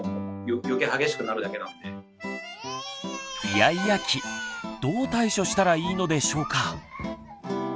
イヤイヤ期どう対処したらいいのでしょうか？